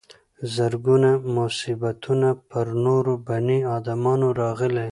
زرګونه مصیبتونه پر نورو بني ادمانو راغلي.